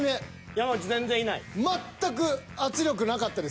山内全然いない？